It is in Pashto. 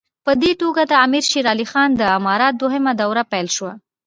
په دې توګه د امیر شېر علي خان د امارت دوهمه دوره پیل شوه.